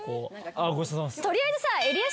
取りあえずさ。